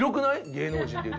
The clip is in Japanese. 芸能人っていうと。